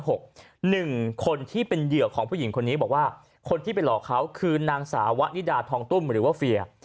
หนึ่งคนที่เป็นเหยื่อของผู้หญิงคนนี้บอกว่าคนที่ไปหลอกเขาคือนางสาวะนิดาทองตุ้มหรือว่าเฟียร์